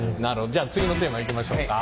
じゃあ次のテーマいきましょうか。